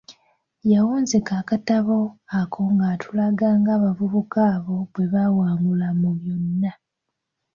Yawunzika akatabo ako ng'atulaga ng'abavubuka abo bwebawangula mu byonna.